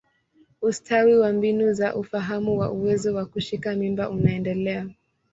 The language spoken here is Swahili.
Ustawi wa mbinu za ufahamu wa uwezo wa kushika mimba unaendelea.